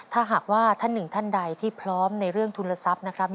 ถ้าหากว่าท่านหนึ่งท่านใดที่พร้อมในเรื่องทุนทรัพย์นะครับ